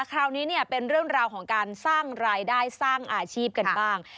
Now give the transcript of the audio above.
คราวนี้เนี่ยเป็นเรื่องราวของการสร้างรายได้สร้างอาชีพกันบ้าง